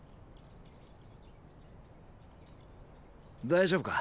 大丈夫か？